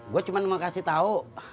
gue cuma mau kasih tahu